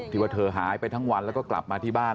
ว่าเธอหายไปทั้งวันแล้วก็กลับมาที่บ้าน